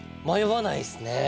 迷わないですね。